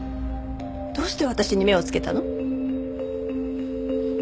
どうして私に目をつけたの？